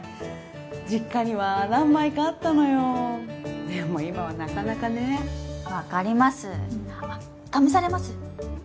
実家には何枚かあったのよでも今はなかなかねえ分かりますあっ試されます？